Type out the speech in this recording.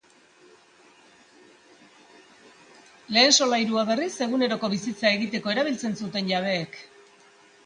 Lehen solairua, berriz, eguneroko bizitza egiteko erabiltzen zuten jabeek.